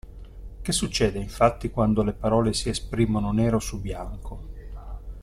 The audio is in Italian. Che succede, infatti, quando le parole si esprimono nero su bianco?